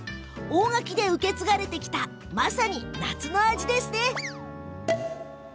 大垣で受け継がれてきたまさに、夏の味ですね。